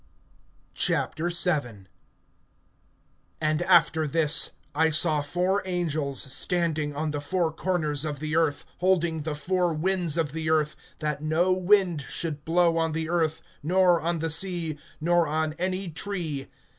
VII. AND after this, I saw four angels standing on the four corners of the earth, holding the four winds of the earth, that no wind should blow on the earth, nor on the sea, nor on any tree.